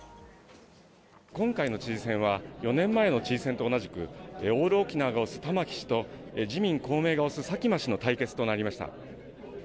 今回の知事選は、４年前の知事選と同じく、オール沖縄が推す玉城氏と、自民、公明が推す佐喜真氏の対決となりました。